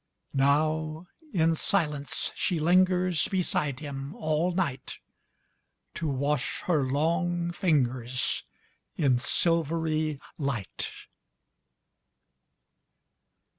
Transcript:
Now in silence she lingers Beside him all night To wash her long fingers In silvery light.